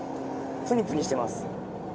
プニプニしてます。